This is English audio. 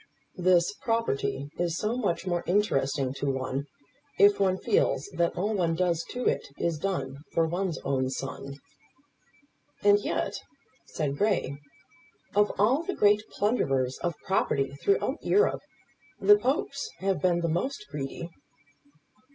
"This property is so much more interesting to one, if one feels that all one does to it is done for one's own son." "And yet," said Grey, "of all the great plunderers of property throughout Europe, the Popes have been the most greedy."